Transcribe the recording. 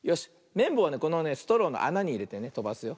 めんぼうはねこのねストローのあなにいれてねとばすよ。